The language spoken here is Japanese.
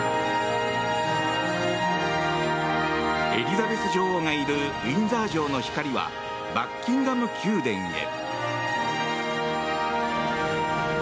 エリザベス女王がいるウィンザー城の光はバッキンガム宮殿へ。